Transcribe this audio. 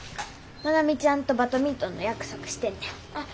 愛美ちゃんとバドミントンの約束してんねん。